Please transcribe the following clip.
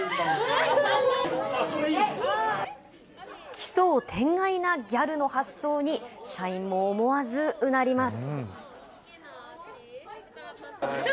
奇想天外なギャルの発想に、社員も思わずうなります。